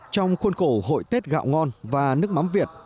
trong khuôn khổ hội tết gạo ngon và nước mắm việt